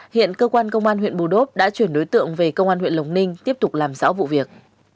hiện cơ quan công an huyện bù đốp đã chuyển đối tượng về công an huyện lộc ninh tiếp tục làm rõ vụ việc